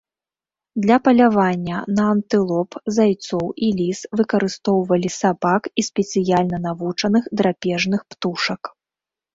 Для палявання на антылоп, зайцоў і ліс выкарыстоўвалі сабак і спецыяльна навучаных драпежных птушак.